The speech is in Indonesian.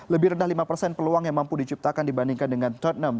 lebih rendah lima persen peluang yang mampu diciptakan dibandingkan dengan tottenham